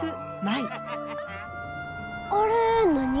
あれ何？